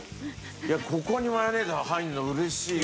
ここにマヨネーズが入るの嬉しいわ。